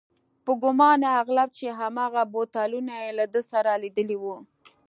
په ګومان غالب چې هماغه بوتلونه یې له ده سره لیدلي و.